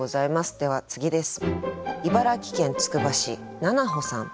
では次です。